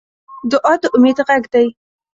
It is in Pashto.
دعا د امید غږ دی.